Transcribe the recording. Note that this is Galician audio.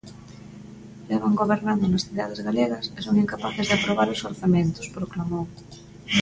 "Levan gobernando nas cidades galegas e son incapaces de aprobar os orzamentos", proclamou.